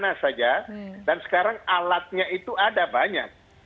bagaimana saja dan sekarang alatnya itu ada banyak